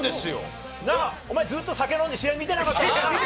お前、ずっと酒飲んで試合見てなかっただろう！